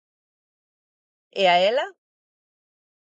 E a ela?